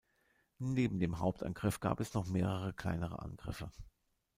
Neben dem Hauptangriff gab es noch mehrere kleinere Angriffe.